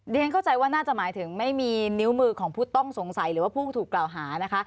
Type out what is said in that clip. เข้าใจว่าน่าจะหมายถึงไม่มีนิ้วมือของผู้ต้องสงสัยหรือว่าผู้ถูกกล่าวหานะคะ